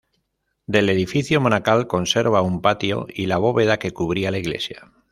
Del edificio monacal conserva un patio y la bóveda que cubría la iglesia.